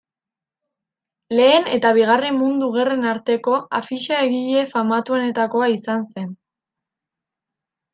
Lehen eta Bigarren Mundu Gerren arteko afixa-egile famatuenetakoa izan zen.